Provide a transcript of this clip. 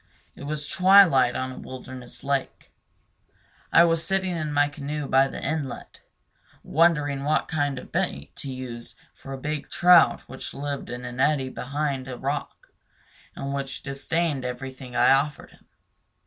It was twilight on a wilderness lake. I was sitting in my canoe by the inlet, wondering what kind of bait to use for a big trout which lived in an eddy behind a rock, and which disdained everything I offered him.